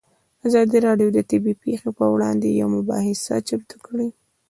ازادي راډیو د طبیعي پېښې پر وړاندې یوه مباحثه چمتو کړې.